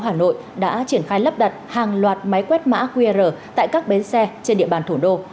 hà nội đã triển khai lắp đặt hàng loạt máy quét mã qr tại các bến xe trên địa bàn thủ đô